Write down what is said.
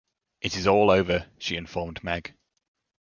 “It is all over,” she informed Meg.